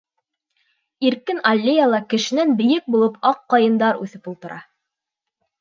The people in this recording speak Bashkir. Иркен аллеяла, кешенән бейек булып, аҡ ҡайындар үҫеп ултыра.